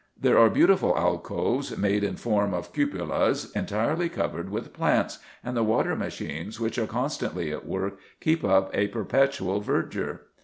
There are beautiful alcoves, made in form of cupolas, entirely covered with plants ; and the water machines, which are constantly at work, keep up a per petual verdure.